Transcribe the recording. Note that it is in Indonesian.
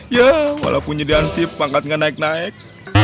ya walaupun jadi ansip angkat gak naik naik